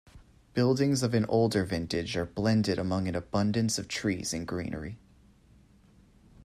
Buildings of an older vintage are blended among an abundance of trees and greenery.